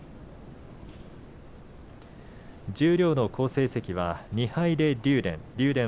十両の好成績は２敗で竜電。